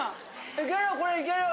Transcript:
いけるこれいける。